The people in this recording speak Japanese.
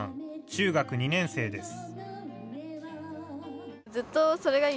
中学２年生です。